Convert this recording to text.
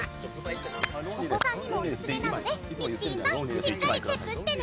お子さんにもオススメなのでミキティさんしっかりチェックしてね。